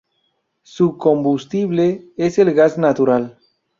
Su combustible es el gas natural.